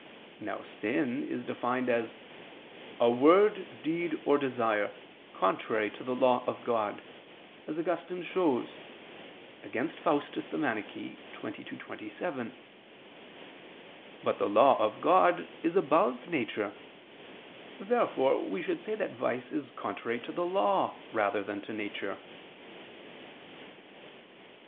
Now sin is defined as "a word, deed, or desire, contrary to the Law of God," as Augustine shows (Contra Faust. xxii, 27). But the Law of God is above nature. Therefore we should say that vice is contrary to the Law, rather than to nature.